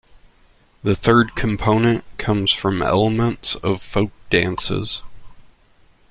The third component comes from elements of folk dances.